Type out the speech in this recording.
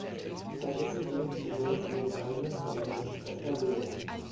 Stattdessen dürfen die Lords ihren eigenen Parlamentssprecher wählen.